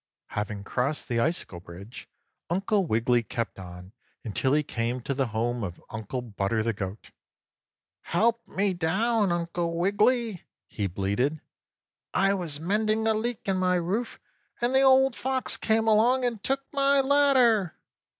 4. Having crossed the icicle bridge, Uncle Wiggily kept on until he came to the home of Uncle Butter the goat. "Help me down, Uncle Wiggily!" he bleated. "I was mending a leak in my roof, and the Old Fox came along and took my ladder."